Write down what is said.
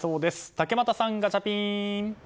竹俣さん、ガチャピン。